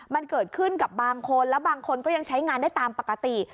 มันเกิดขึ้นกับบางคนแล้วบางคนก็ยังใช้งานได้ตามปกติ